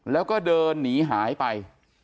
แล้วก็เดินหนีหายไป